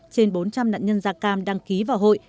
trên bốn trăm linh nạn nhân da cam đăng ký vào hội